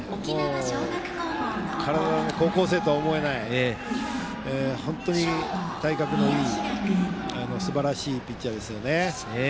体が、高校生とは思えない本当に体格のいいすばらしいピッチャーですね。